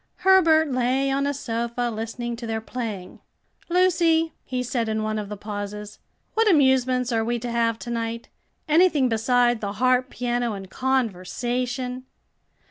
Herbert lay on a sofa listening to their playing. "Lucy," he said in one of the pauses, "what amusements are we to have to night? anything beside the harp, piano, and conversation?"